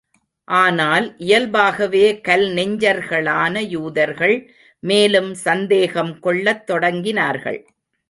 ஆனால், இயல்பாகவே கல் நெஞ்சர்களான யூதர்கள் மேலும் சந்தேகம் கொள்ளத் தொடங்கினார்கள்.